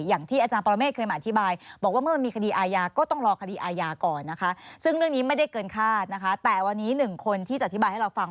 อย่างที่อาจารย์ปรเมฆเคยมาอธิบาย